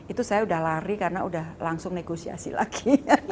itu saya sudah lari karena sudah langsung negosiasi lagi